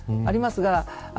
あります。